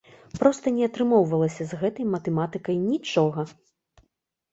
Проста не атрымоўвалася з гэтай матэматыкай нічога!